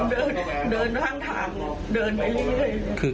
เดินข้างทางเดินไปเรื่อย